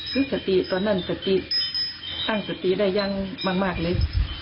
ซึ่งตอนนั้นตั้งสติได้ยังมากเลย